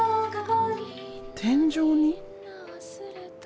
天井に？